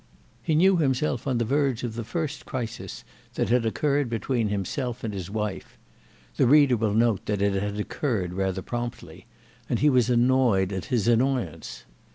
He knew himself on the verge of the first crisis that had occurred between himself and his wife—the reader will note that it had occurred rather promptly—and he was annoyed at his annoyance.